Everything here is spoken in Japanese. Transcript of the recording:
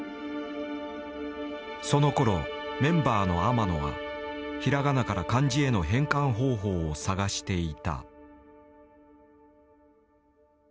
そのころメンバーの天野はひらがなから漢字への変換方法を探していた。